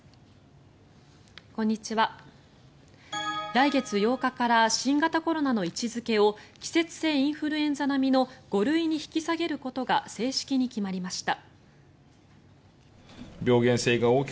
来月８日から新型コロナの位置付けを季節性インフルエンザ並みの５類に引き下げることが正式に決まりました。